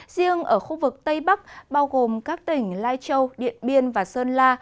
riêng ở khu vực tây bắc bao gồm các tỉnh lai châu điện biên và sơn la